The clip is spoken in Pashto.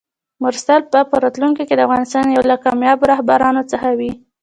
مرسل به په راتلونکي کې د افغانستان یو له کاميابو رهبرانو څخه وي!